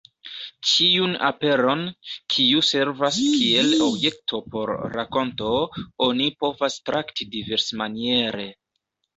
Ĉiun aperon, kiu servas kiel objekto por rakonto, oni povas trakti diversmaniere.